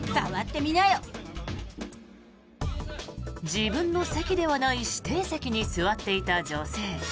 自分の席ではない指定席に座っていた女性。